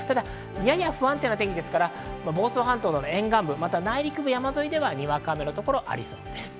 やや不安定な天気ですから、房総半島の沿岸部、内陸部の山沿いではにわか雨がありそうです。